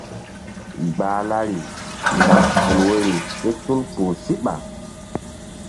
Gbahlari laɓ vul woyri ké tul kpuh síɓa.